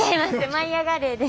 「舞いあがれ！」です。